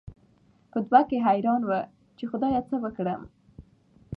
په دوو کې حېران وو، چې خدايه څه وکړم؟